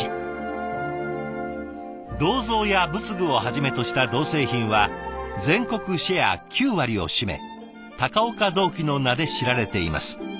銅像や仏具をはじめとした銅製品は全国シェア９割を占め高岡銅器の名で知られています。